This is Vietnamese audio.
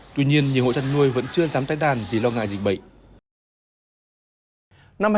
tuy nhiên nhiều hội dân nuôi vẫn chưa dám tách đàn vì lo ngại dịch bệnh